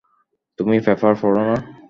তুমি পেপার পড় না?